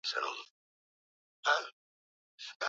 Kuendeleza mipango ya uharibifu wa mafuta